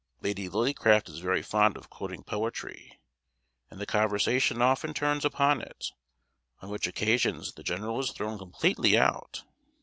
Lady Lillycraft is very fond of quoting poetry, and the conversation often turns upon it, on which occasions the general is thrown completely out.